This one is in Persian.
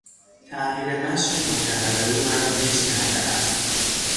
تغییر مشی مکرر او مرا گیج کرده است.